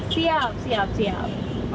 siap siap siap